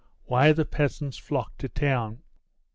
WHY THE PEASANTS FLOCK TO TOWN.